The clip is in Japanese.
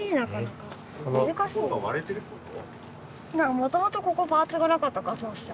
もともとここパーツがなかったからそうした。